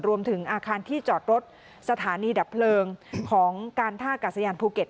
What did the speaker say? รวมถึงอาคารที่จอดรถสถานีดับเพลิงของการท่ากาศยานภูเก็ต